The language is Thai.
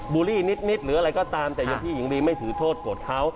ูลลี่นิดหรืออะไรก็ตามแต่อย่างพี่หญิงลีไม่ถือโทษโกรธเขา